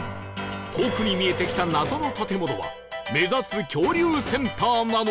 遠くに見えてきた謎の建物は目指す恐竜センターなのか？